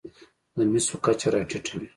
د مسو کچه راټېته وي.